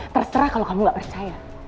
terserah kalau kamu gak percaya